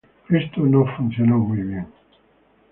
Esto no funcionó muy bien.